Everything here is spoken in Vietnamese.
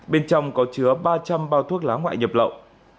bên trong có chứa ba trăm linh bao thuốc lá ngoại nhập lậu